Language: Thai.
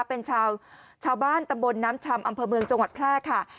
เป็นชาวบ้านตำบลน้ำชำอำเภอเมืองจังหวัดแพร่ค่ะ